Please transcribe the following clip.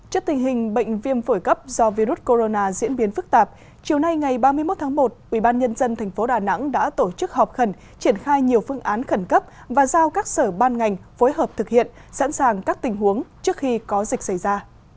trước tình hình bệnh viêm phổi cấp do virus corona diễn biến phức tạp chiều nay ngày ba mươi một tháng một ubnd tp đà nẵng đã tổ chức họp khẩn triển khai nhiều phương án khẩn cấp và giao các sở ban ngành phối hợp thực hiện sẵn sàng các tình huống trước khi có dịch xảy ra